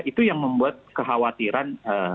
itu yang membuat kekhawatiran